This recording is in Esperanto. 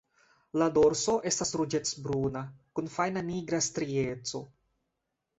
La dorso estas ruĝecbruna kun fajna nigra strieco.